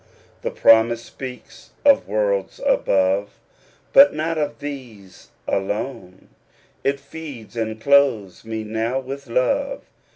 The promise speaks of worlds above. But not of these alone ; It feeds and clothes me now with love.